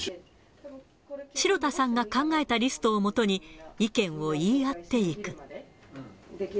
城田さんが考えたリストをもとに、意見を言い合っていく。